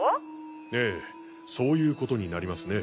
ええそういうことになりますね。